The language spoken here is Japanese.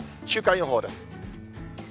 週間予報です。